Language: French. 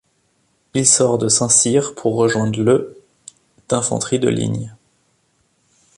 Il sort de Saint-Cyr pour rejoindre le d'infanterie de ligne.